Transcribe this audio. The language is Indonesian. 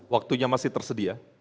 waktunya masih tersedia